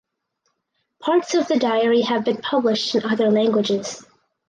Parts of the diary have been published in other languages.